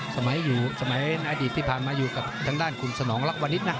สมัยนาฏิศกาลที่ทำอยู่ทางด้านคุณสนองลักวะนิดนะ